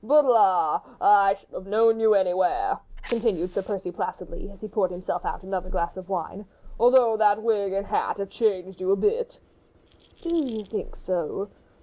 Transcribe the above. "But, la! I should have known you anywhere," continued Sir Percy, placidly, as he poured himself out another glass of wine, "although the wig and hat have changed you a bit." "Do you think so?"